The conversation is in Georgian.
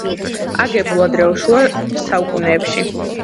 აგებული ადრეულ შუა საუკუნეებში.